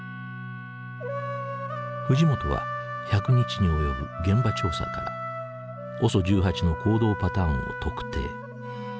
藤本は１００日に及ぶ現場調査からＯＳＯ１８の行動パターンを特定。